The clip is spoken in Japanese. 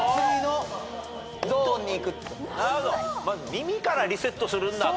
耳からリセットするんだと。